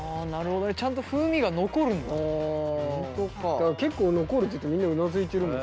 だから結構残るって言ってみんなうなずいてる。